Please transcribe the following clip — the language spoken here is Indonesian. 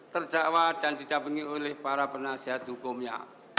terdakwa dan didampingi oleh para penasihat hukumnya